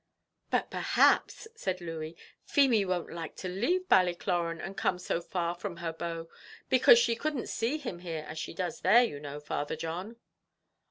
"But perhaps," said Louey, "Feemy won't like to leave Ballycloran, and come so far from her beau; because she couldn't see him here as she does there, you know, Father John."